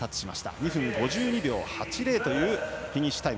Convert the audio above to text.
２分５２秒８０というフィニッシュタイム。